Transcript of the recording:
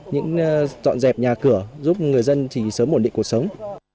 những dọn dẹp nhà cửa giúp người dân sớm ổn định cuộc sống